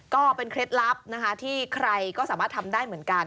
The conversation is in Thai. เคล็ดลับนะคะที่ใครก็สามารถทำได้เหมือนกัน